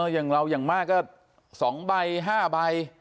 อย่างเรายังมาก๒ใบ๕ใบ